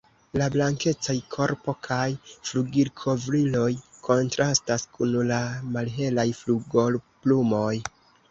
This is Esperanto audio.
La blankecaj korpo kaj flugilkovriloj kontrastas kun la malhelaj flugoplumoj.